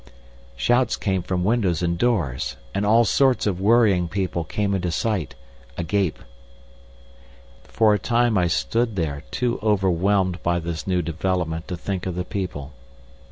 Shouts came from windows and doors, and all sorts of worrying people came into sight—agape. For a time I stood there, too overwhelmed by this new development to think of the people.